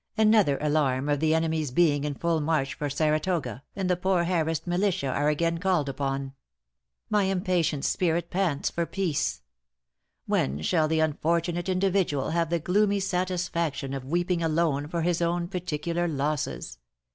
Another alarm of the enemy's being in full march for Saratoga, and the poor harrassed militia are again called upon. My impatient spirit pants for peace. When shall the unfortunate individual have the gloomy satisfaction of weeping alone for his own particular losses!